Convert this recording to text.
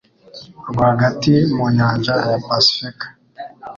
Rwagati mu nyanja ya Pasifika